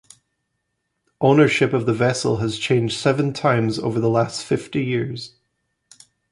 Ownership of the vessel has changed seven times over the last fifty years.